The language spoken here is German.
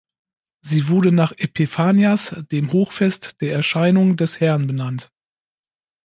Sie wurde nach Epiphanias dem Hochfest der Erscheinung des Herrn benannt.